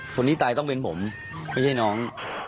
คนที่ตายต้องเป็นผมไม่ใช่น้อง